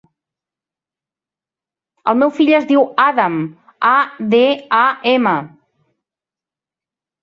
El meu fill es diu Adam: a, de, a, ema.